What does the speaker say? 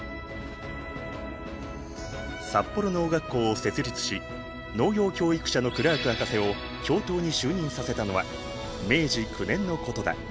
札幌農学校を設立し農業教育者のクラーク博士を教頭に就任させたのは明治９年のことだ。